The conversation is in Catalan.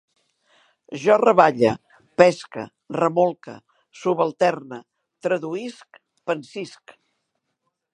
Jo reballe, pesque, remolque, subalterne, traduïsc, pansisc